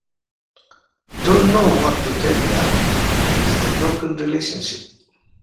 "Don't Know What to Tell Ya" is about a broken relationship.